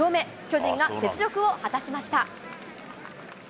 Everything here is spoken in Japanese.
巨人が雪辱を果たしました。